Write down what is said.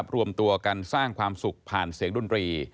รวมตัวกันสร้างความสุขผ่านเสียงดนตรี